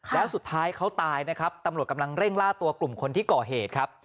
แล้วสุดท้ายเขาตายนะครับตำรวจกำลังเร่งล่าตัวกลุ่มคนที่ก่อเหตุครับ